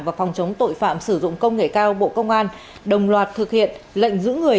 và phòng chống tội phạm sử dụng công nghệ cao bộ công an đồng loạt thực hiện lệnh giữ người